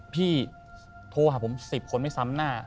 พี่โทรหาผม๑๐คนไม่ซ้ำหน้า